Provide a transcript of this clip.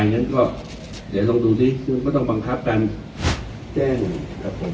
งั้นก็เดี๋ยวลองดูซิคือก็ต้องบังคับการแจ้งครับผม